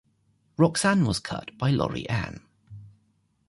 Roxanne was cut by Laurie Ann.